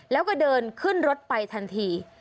แล้วก็เดินขึ้นรถไปทันที